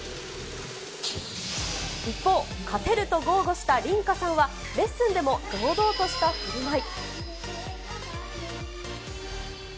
一方、勝てると豪語したリンカさんは、レッスンでも堂々としたふるまい。